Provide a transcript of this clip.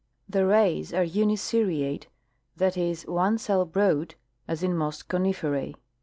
The rays are uniseriate — that is, one cell broad, as in most coniferse.